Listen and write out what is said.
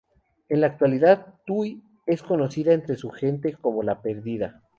En la actualidad, Tui es conocida entre su gente como "La Perdida".